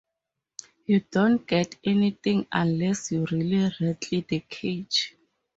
You don't get anything unless you really rattle the cage.